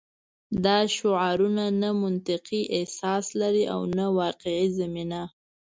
دا شعارونه نه منطقي اساس لري او نه واقعي زمینه